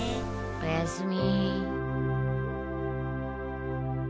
おやすみ。